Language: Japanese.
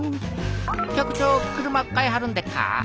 局長車買いはるんでっか？